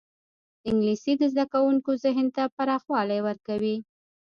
انګلیسي د زدهکوونکو ذهن ته پراخوالی ورکوي